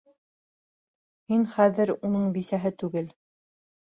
Һин хәҙер уның бисәһе түгел!